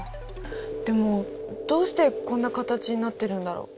でもどうしてこんな形になってるんだろう。